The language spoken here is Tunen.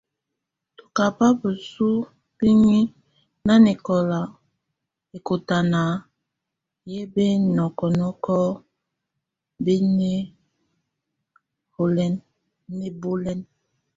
Tɔ kaba bəsu bəŋi nanɛkɔla ɛkɔtana yɛ bɛnɔkɔnɔkɔ bɛ nɛbɔlɛn.